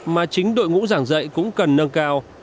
mà chính đội ngũ giảng dạy cũng cần nâng cao